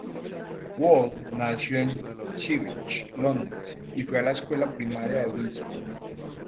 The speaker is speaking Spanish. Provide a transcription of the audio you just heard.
Wall nació en Chiswick, Londres y fue a la escuela primaria en Windsor.